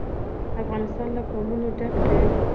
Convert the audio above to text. افغانستان له قومونه ډک دی.